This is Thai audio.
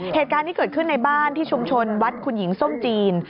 เหตุการณ์ที่เกิดขึ้นในบ้านที่ชุมชนวัดคุณหญิงส้มจีน